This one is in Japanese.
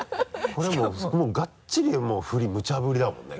これはもうがっちりふりむちゃぶりだもんね